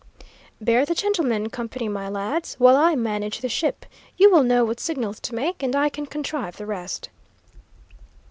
"Bear the gentleman company, my lads, while I manage the ship. You will know what signals to make, and I can contrive the rest."